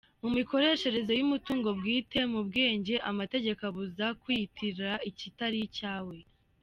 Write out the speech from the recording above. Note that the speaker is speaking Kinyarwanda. Mu mikoreshereze y’umutungo bwite mu by’ubwenge, amategeko abuza kwiyitirira ikitari icyawe.